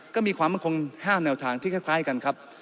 ก็มีความมั่นคง๕แนวทางที่คล้ายกันครับ